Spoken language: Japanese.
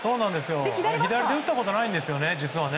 左で打ったことないんですよ、実は。